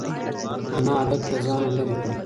انا هلک له ځانه لرې کړ.